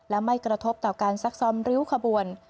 และไม่กระทบต่อการซักซ้อมริ้วขบวน